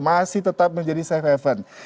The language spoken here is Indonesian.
masih tetap menjadi safe haven